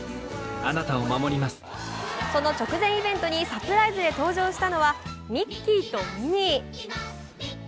その直前イベントにサプライズで登場したのはミッキーとミニー。